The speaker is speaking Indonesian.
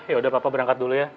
ya udah papa berangkat dulu ya